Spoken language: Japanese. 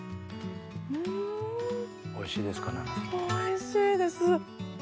おいしいですか？